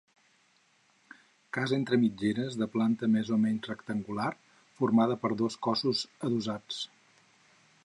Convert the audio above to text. Casa entre mitgeres de planta més o menys rectangular, formada per dos cossos adossats.